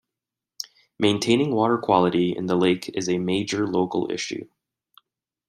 Maintaining water quality in the lake is a major local issue.